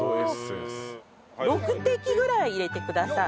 ６滴ぐらい入れてください。